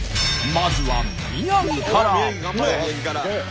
まずは宮城から。